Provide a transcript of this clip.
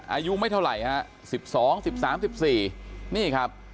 อายุไม่เท่าไหร่ฮะสิบสองสิบสามสิบสี่นี่ครับ